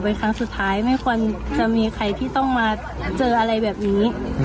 เป็นครั้งสุดท้ายไม่ควรจะมีใครที่ต้องมาเจออะไรแบบนี้